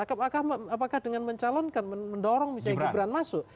apakah dengan mencalonkan mendorong misalnya gibran masuk